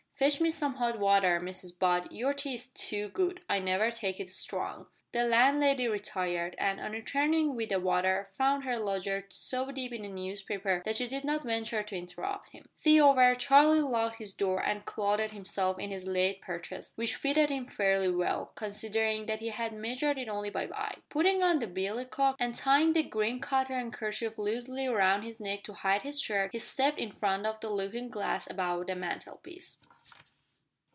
Fetch me some hot water, Mrs Butt, your tea is too good. I never take it strong." The landlady retired, and, on returning with the water, found her lodger so deep in a newspaper that she did not venture to interrupt him. Tea over, Charlie locked his door and clothed himself in his late purchase, which fitted him fairly well, considering that he had measured it only by eye. Putting on the billycock, and tying the green cotton kerchief loosely round his neck to hide his shirt, he stepped in front of the looking glass above the mantelpiece.